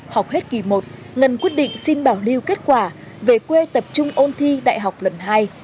học hết kỳ một ngân quyết định xin bảo lưu kết quả về quê tập trung ôn thi đại học lần hai